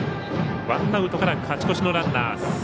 ワンアウトから勝ち越しのランナー。